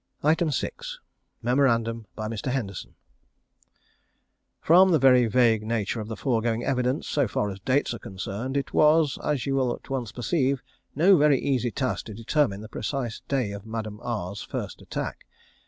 6. Memorandum by Mr. Henderson. From the very vague nature of the foregoing evidence, so far as dates are concerned, it was, as you will at once perceive, no very easy task to determine the precise day of Madame R's first attack.